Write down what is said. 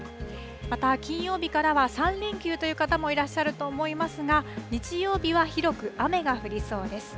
また金曜日からは３連休という方もいらっしゃると思いますが、日曜日は広く雨が降りそうです。